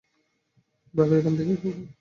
ভাগো এখান থেকে, কুকুর।